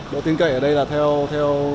độ tin cậy ở đây là theo